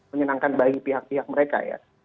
menyenangkan bagi pihak pihak mereka ya